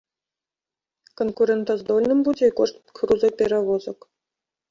Канкурэнтаздольным будзе і кошт грузаперавозак.